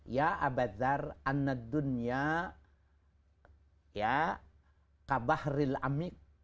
ya abu wizar anda dunia kabahril amik